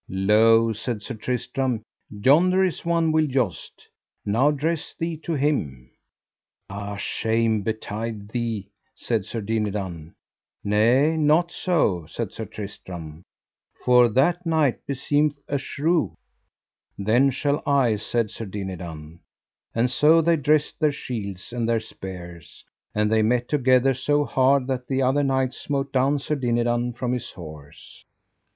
Lo, said Sir Tristram, yonder is one will joust; now dress thee to him. Ah, shame betide thee, said Sir Dinadan. Nay, not so, said Tristram, for that knight beseemeth a shrew. Then shall I, said Sir Dinadan. And so they dressed their shields and their spears, and they met together so hard that the other knight smote down Sir Dinadan from his horse.